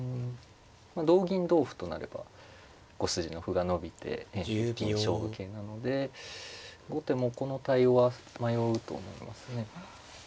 同銀同歩となれば５筋の歩が伸びて一気に勝負形なので後手もこの対応は迷うと思いますね。